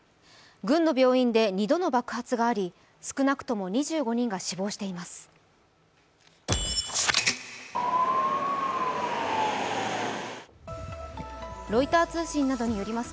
軍の病院で２度の爆発があり少なくとも２５人が死亡しています。